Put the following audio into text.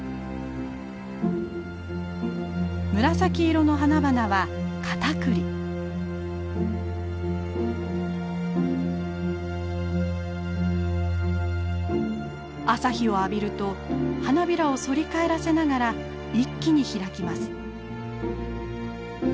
紫色の花々は朝日を浴びると花びらを反り返らせながら一気に開きます。